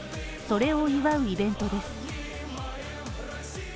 それを祝うイベントです。